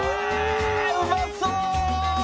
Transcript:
うまそう！